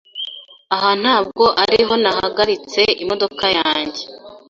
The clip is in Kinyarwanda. Aha ntabwo ariho nahagaritse imodoka yanjye .